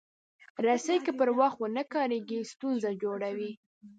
رسۍ که پر وخت ونه کارېږي، ستونزه جوړوي.